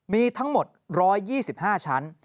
มีทั้งหมด๑๒๕ชั้น